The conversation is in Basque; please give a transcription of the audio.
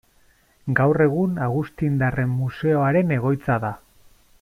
Gaur egun Agustindarren Museoaren egoitza da.